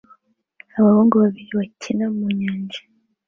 abahungu babiri bakina mu nyanja